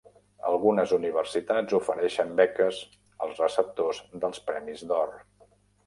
Algunes universitats ofereixen beques als receptors dels Premis d'Or.